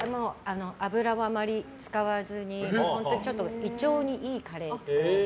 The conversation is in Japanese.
油をあまり使わずに本当に胃腸にいいカレー。